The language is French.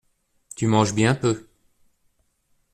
Tu manges bien peu.